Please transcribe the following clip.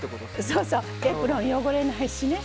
そうそうエプロン汚れないしね。